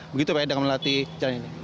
begitu pak ya dengan melatih jalan ini